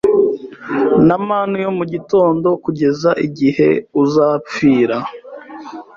na manu yo mu gitondo Kugeza igihe uzapfira